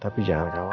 tapi jangan kawal